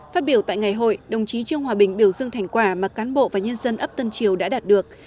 phát biểu tại ngày hội đồng chí trương hòa bình biểu dương thành quả mà cán bộ và nhân dân ấp tân triều đã đạt được